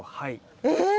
えっ？